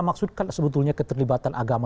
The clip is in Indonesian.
maksudkan sebetulnya keterlibatan agama